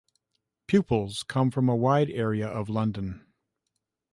Pupils come from a wide area of London.